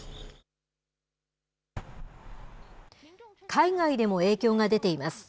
海外でも影響が出ています。